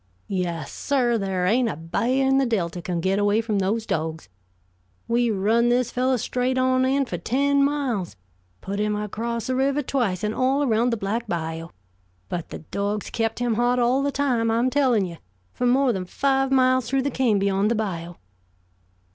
"Yes, sir, there ain't a ba'h in the Delta can get away from those dogs. We run this fellow straight on end for ten miles; put him across the river twice, and all around the Black Bayou, but the dogs kept him hot all the time, I'm telling you, for more than five miles through the cane beyond the bayou."